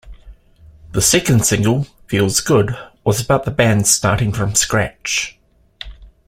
The second single "Feels Good" was about the band "starting from scratch".